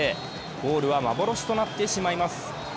ゴールは幻となってしまいます。